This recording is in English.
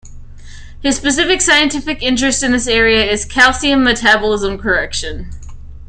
His specific scientific interest in this area is calcium metabolism correction.